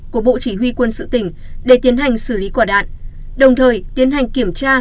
của bộ chỉ huy quân sự tỉnh để tiến hành xử lý quả đạn đồng thời tiến hành kiểm tra